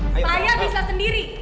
saya bisa sendiri